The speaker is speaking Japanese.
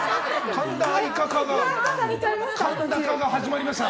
神田愛花化が始まりました。